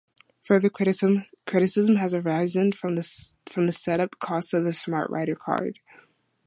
Further criticism has arisen from the set-up costs of the SmartRider card.